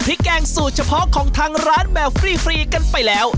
แกงสูตรเฉพาะของทางร้านแบบฟรีกันไปแล้ว